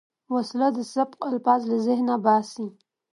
وسله د سبق الفاظ له ذهنه باسي